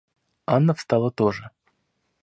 Анна встала тоже.